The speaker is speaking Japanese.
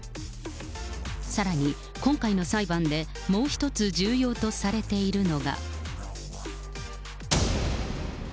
さらに今回の裁判で、もう一つ重要とされているのが。